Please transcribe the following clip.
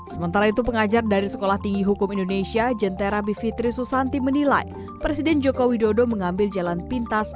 sementara itu pengajar dari sekolah tinggi hukum indonesia jenterabivitri susanti menilai presiden jokowi dodo mengambil jalan pintas